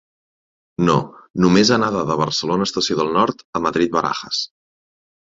No, només anada de Barcelona Estació del Nord a Madrid Barajas.